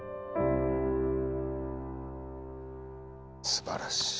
すばらしい。